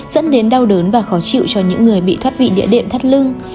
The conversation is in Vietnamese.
dẫn đến đau đớn và khó chịu cho những người bị thoát vị địa điểm thắt lưng